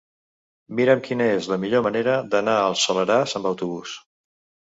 Mira'm quina és la millor manera d'anar al Soleràs amb autobús.